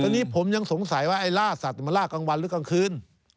อันนี้ผมยังสงสัยว่าไอ้ล่าสัตว์มันล่ากลางวันหรือกลางคืน